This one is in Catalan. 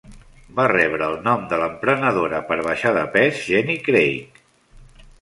Va rebre el nom de l'emprenedora per baixar de pes Jenny Craig.